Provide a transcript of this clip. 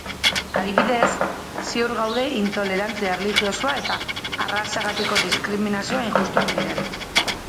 Adibidez, ziur gaude intolerantzia erlijiosoa eta arrazagatiko diskriminazioa injustuak direla.